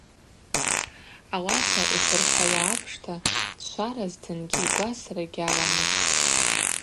Ауаса, йшырхӏвауа апшта, тшваразтынгьи гвасра гьаламызтӏ.